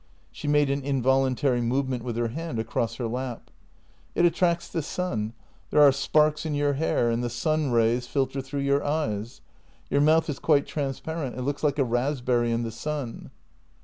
She made an involuntary movement with her hand across her lap. " It attracts the sun; there are sparks in your hair, and the sunrays filter through your eyes. Your mouth is quite trans parent; it looks like a raspberry in the sun."